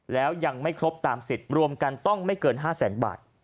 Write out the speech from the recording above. แล้วยังไม่ครบตามสิทธิ์รวมกันต้องไม่เกิน๕แสนบาท